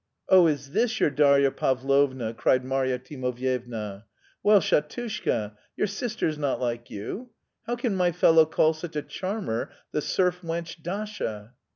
"Oh, is this your Darya Pavlovna!" cried Marya Timofyevna. "Well, Shatushka, your sister's not like you. How can my fellow call such a charmer the serf wench Dasha?"